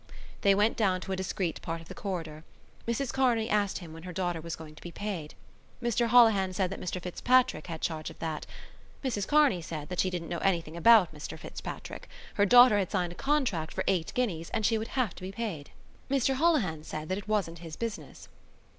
They went down to a discreet part of the corridor. Mrs Kearney asked him when was her daughter going to be paid. Mr Holohan said that Mr Fitzpatrick had charge of that. Mrs Kearney said that she didn't know anything about Mr Fitzpatrick. Her daughter had signed a contract for eight guineas and she would have to be paid. Mr Holohan said that it wasn't his business.